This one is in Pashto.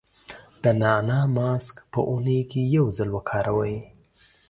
د نعناع ماسک په اونۍ کې یو ځل وکاروئ.